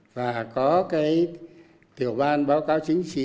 và có cái tiểu ban báo cáo chính trị